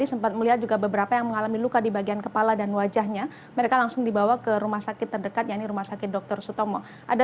selamat malam eka